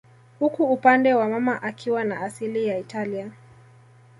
huku upande wa mama akiwa na asili ya Italia